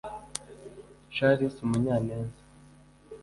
Charles Munyaneza